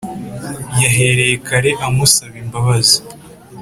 yahereye kare amusaba imbabazi